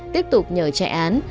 tiếp tục nhờ chạy án